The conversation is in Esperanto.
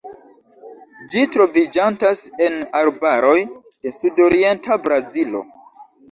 Ĝi troviĝantas en arbaroj de sudorienta Brazilo.